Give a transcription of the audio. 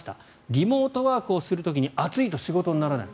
リモートワークをする時に暑いと仕事にならない。